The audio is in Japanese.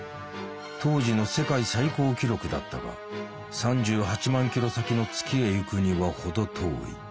当時の世界最高記録だったが３８万キロ先の月へ行くには程遠い。